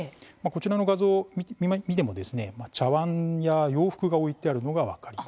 こちらの画像を見ても茶わんや洋服が置いてあるのが分かります。